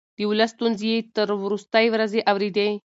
د ولس ستونزې يې تر وروستۍ ورځې اورېدې.